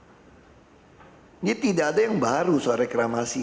jadi tidak ada yang baru soal reklamasi